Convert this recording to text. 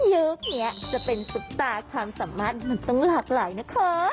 ยุคนี้จะเป็นซุปตาความสามารถมันต้องหลากหลายนะคะ